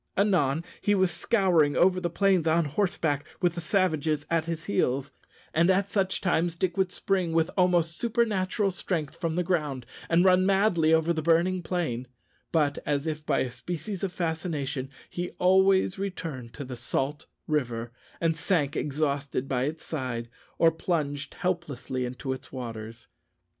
Anon he was scouring over the plains on horseback, with the savages at his heels; and at such times Dick would spring with almost supernatural strength from the ground, and run madly over the burning plain; but, as if by a species of fascination, he always returned to the salt river, and sank exhausted by its side, or plunged helplessly into its waters.